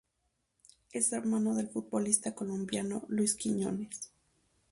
Es hermano del futbolista Colombiano Luis Quiñones.